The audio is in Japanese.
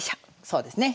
そうですね。